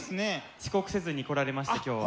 遅刻せずに来られました今日は。